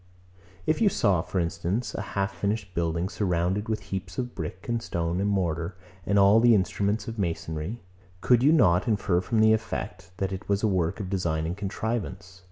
If you saw, for instance, a half finished building, surrounded with heaps of brick and stone and mortar, and all the instruments of masonry; could you not infer from the effect, that it was a work of design and contrivance?